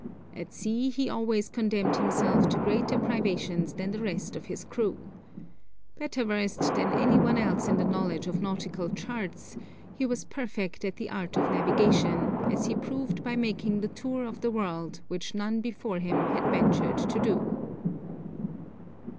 At sea he always condemned himself to greater privations than the rest of his crew. Better versed than any one else in the knowledge of nautical charts, he was perfect in the art of navigation, as he proved by making the tour of the world, which none before him had ventured to do."